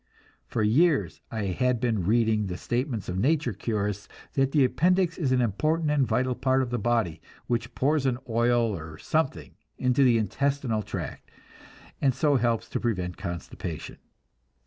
For years I had been reading the statements of nature curists, that the appendix is an important and vital part of the body, which pours an oil or something into the intestinal tract, and so helps to prevent constipation.